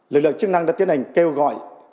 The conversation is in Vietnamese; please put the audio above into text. lực lượng chức năng đã tiến hành kêu gọi